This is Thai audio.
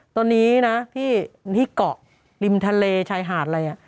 ตัวนี้นะที่เกาะริมทะเลชายหาดเลย